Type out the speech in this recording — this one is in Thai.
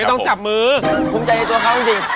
ต้องจับมือภูมิใจในตัวเขาจริง